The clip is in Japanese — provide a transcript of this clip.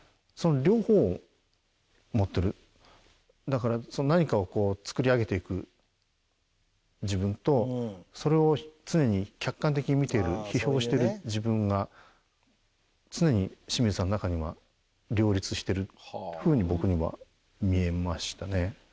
だから何かを作り上げていく自分とそれを常に客観的に見ている批評してる自分が常に清水さんの中には両立してる風に僕には見えましたね。